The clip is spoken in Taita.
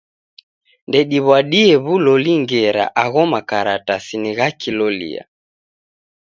Ndediw'adie w'uloli ngera agho makaratasi ni gha kilolia.